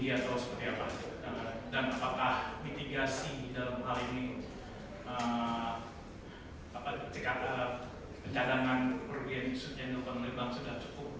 agak mirip sama pertanyaan kita